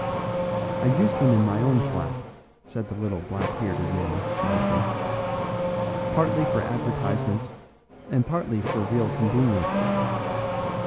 "I use them in my own flat," said the little black bearded man, laughing, "partly for advertisements, and partly for real convenience.